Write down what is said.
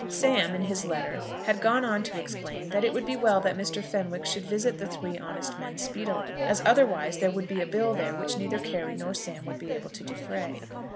Sam, in his letter, had gone on to explain that it would be well that Mr. Fenwick should visit the Three Honest Men speedily, as otherwise there would be a bill there which neither Carry nor Sam would be able to defray.